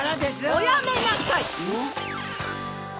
おやめなさい！